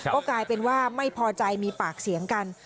ก็กลายเป็นว่าไม่พอใจมีปากเสียงกัน